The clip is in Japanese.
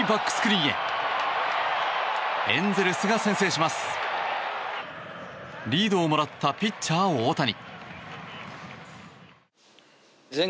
リードをもらったピッチャー大谷。